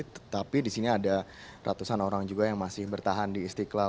tetapi di sini ada ratusan orang juga yang masih bertahan di istiqlal